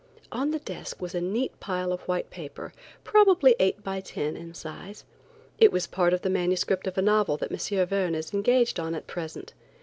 On the desk was a neat little pile of white paper, probably 8x10 in size. It was part of the manuscript of a novel that M. Verne is engaged on at present.